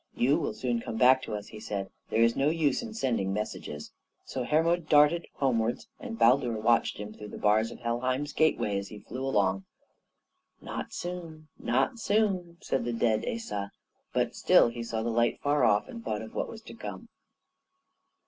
"You will soon come back to us," he said, "there is no use in sending messages." So Hermod darted homewards, and Baldur watched him through the bars of Helheim's gateway as he flew along. "Not soon, not soon," said the dead Asa; but still he saw the light far off, and thought of what was to come.